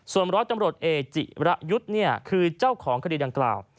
ส่วนร้อยตำรวจเอกจิระยุทธ์คือเจ้าของคดีดังกล่าว